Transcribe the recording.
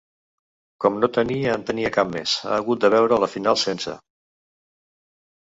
Com no tenia en tenia cap més, ha hagut de veure la final sense.